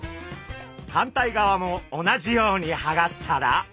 反対側も同じようにはがしたら。